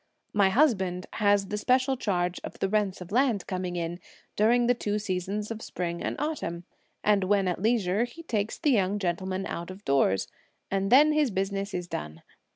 My husband has the special charge of the rents of land coming in, during the two seasons of spring and autumn, and when at leisure, he takes the young gentlemen out of doors, and then his business is done.